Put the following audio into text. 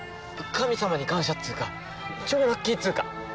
神様に感謝っつうか超ラッキーっつうか。